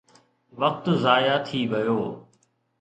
وقت ضايع ٿي ويو.